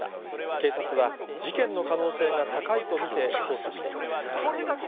警察は事件の可能性が高いと見て捜査しています。